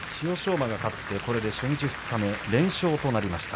馬が勝ってこれで初日、二日目連勝となりました。